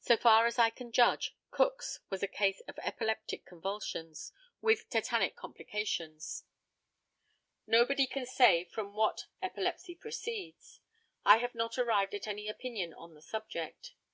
So far as I can judge, Cook's was a case of epileptic convulsions, with tetanic complications. Nobody can say from what epilepsy proceeds. I have not arrived at any opinion on the subject.